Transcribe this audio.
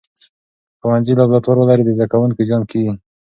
که ښوونځي لابراتوار ولري، د زده کوونکو زیان کېږي.